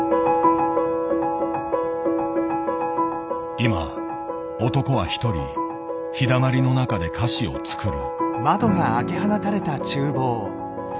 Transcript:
今男は一人日だまりの中で菓子を作る。